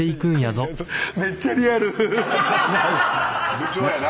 部長やな。